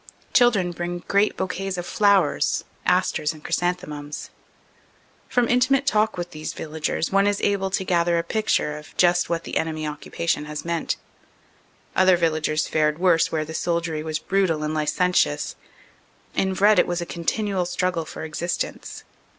Children bring great bouquets of flowers, asters and chrysanthemums. From intimate talk with these villagers one is able to gather a picture of just what the enemy occupation has meant. Other villagers fared worse where the soldiery was brutal and licentious in Vred it was a continual struggle for existence.